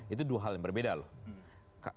itu dua hal yang berbeda loh